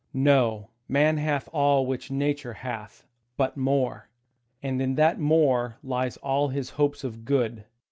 Know, man hath all which Nature hath, but more, And in that more lie all his hopes of good.